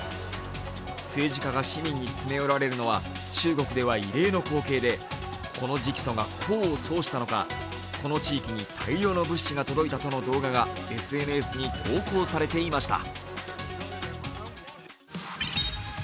政治家が市民に詰め寄られるのは中国では異例の光景でこの直訴が功を奏したのかこの地域に大量の物資が届いたとの動画がＳＮＳに投稿されていました。